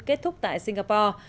kết thúc tại singapore